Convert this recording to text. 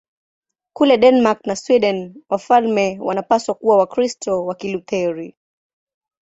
Kule Denmark na Sweden wafalme wanapaswa kuwa Wakristo wa Kilutheri.